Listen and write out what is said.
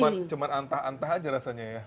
masih cuma antah antah aja rasanya ya